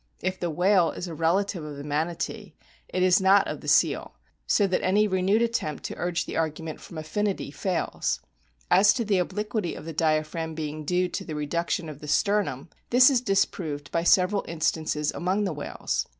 If the o whale is a relative of the manatee, it is not of the seal, so that any renewed attempt to urge the argu ment from affinity fails. As to the obliquity of the diaphragm being due to the reduction of the sternum, this is disproved by several instances among the whales.